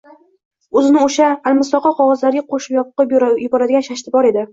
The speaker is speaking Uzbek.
o’zini o’sha almisoqi qog’ozlarga qo’shib yoqib yuboradigan shashti bor edi.